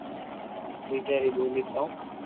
ٻآجا ري ٻولي ڪاو